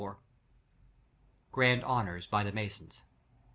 Grand honors by the masons.